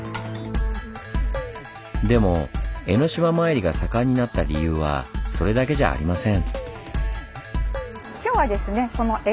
でも江の島参りが盛んになった理由はそれだけじゃありません。